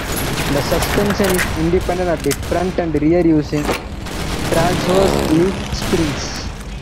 The suspension is independent at the front and rear using transverse leaf springs.